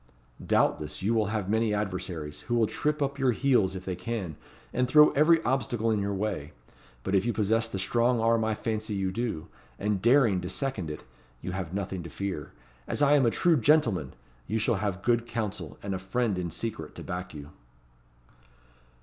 Doubtless, you will have many adversaries, who will trip up your heels if they can, and throw every obstacle in your way; but if you possess the strong arm I fancy you do, and daring to second it, you have nothing to fear. As I am a true gentleman! you shall have good counsel, and a friend in secret to back you."